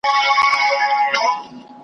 یو جهاني یې په سنګسار له ګناه نه کی خبر .